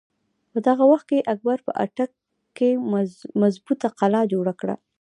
په دغه وخت کښې اکبر په اټک کښې مظبوطه قلا جوړه کړه۔